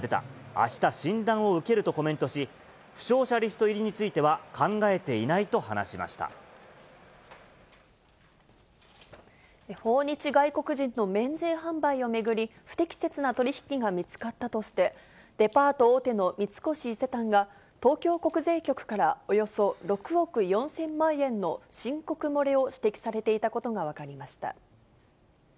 あした診断を受けるとコメントし、負傷者リスト入りについては考え訪日外国人の免税販売を巡り、不適切な取り引きが見つかったとして、デパート大手の三越伊勢丹が、東京国税局からおよそ６億４０００万円の申告漏れを指摘されていたことが分かりました。